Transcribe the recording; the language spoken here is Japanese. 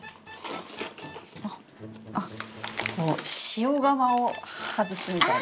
あっこう塩釜を外すみたいな。